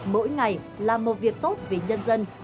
mỗi ngày làm một việc tốt vì nhân dân